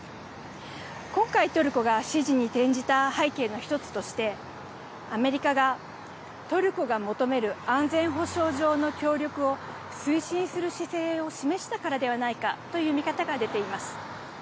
今回、トルコが支持に転じた背景の一つとして、アメリカがトルコが求める安全保障上の協力を推進する姿勢を示したからではないかという見方が出ています。